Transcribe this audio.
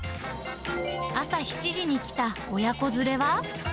朝７時に来た親子連れは。